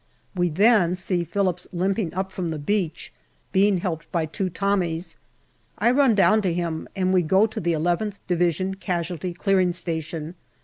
We then see Phillips limping up from the beach, being helped by two Tommies. I run down to him, and we go to the nth Division Casualty Clearing Station.